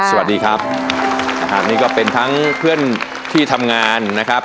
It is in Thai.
สวัสดีครับนะครับนี่ก็เป็นทั้งเพื่อนที่ทำงานนะครับ